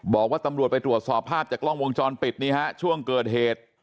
บอกว่าตำรวจไปตรวจสอบภาพจากกล้องวงจรปิดนี่ฮะช่วงเกิดเหตุ